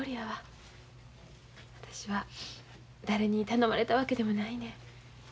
私は誰に頼まれたわけでもないねん。